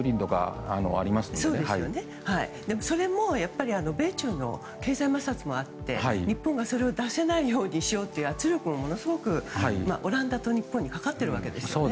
でも、それも米中の経済摩擦があって日本がそれを出せないようにしようという圧力がオランダと日本にかかってるわけですよね。